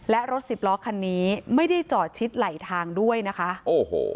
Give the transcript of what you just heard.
และรถสิบล้อคันนี้ไม่ได้จอดชิดไหลทางด้วยนะคะโอ้โห